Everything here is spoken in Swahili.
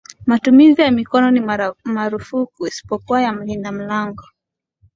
Matumizi ya mikono ni marufuku isipokuwa kwa mlinda mlango